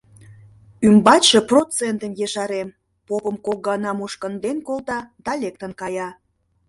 — Ӱмбачше процентым ешарем! — попым кок гана мушкынден колта да лектын кая.